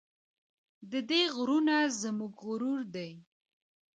د دې غرونه زموږ غرور دی؟